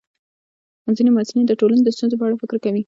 ځینې محصلین د ټولنې د ستونزو په اړه فکر کوي.